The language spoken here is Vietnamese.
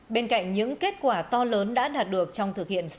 bên cạnh những kết quả to lớn đã đạt được trong thực hiện